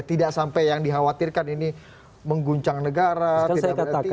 tidak sampai yang dikhawatirkan ini mengguncang negara